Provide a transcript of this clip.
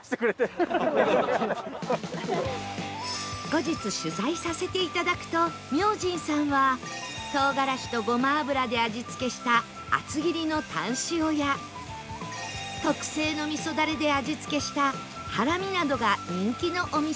後日取材させていただくとみょうじんさんは唐辛子とごま油で味付けした厚切りのタン塩や特製のみそダレで味付けしたハラミなどが人気のお店でした